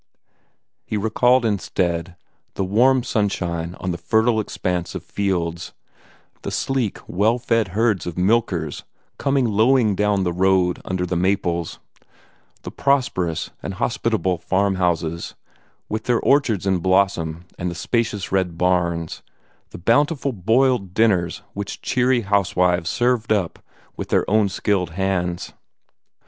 He recalled instead the warm sunshine on the fertile expanse of fields; the sleek, well fed herds of "milkers" coming lowing down the road under the maples; the prosperous and hospitable farmhouses, with their orchards in blossom and their spacious red barns; the bountiful boiled dinners which cheery housewives served up with their own skilled hands.